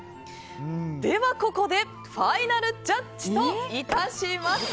ではここでファイナルジャッジと致します。